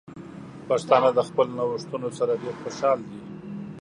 پښتانه د خپلو نوښتونو سره ډیر خوشحال دي.